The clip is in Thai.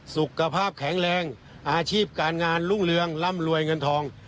สุขภาพแข็งแรงอาชีพการงานรุ่งเรืองร่ำรวยเงินทอง